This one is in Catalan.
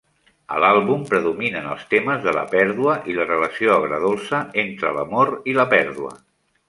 A l'àlbum predominen els temes de la pèrdua i la relació agredolça entre l'amor i la pèrdua.